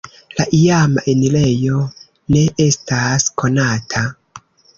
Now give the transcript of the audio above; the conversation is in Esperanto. La iama enirejo ne estas konata.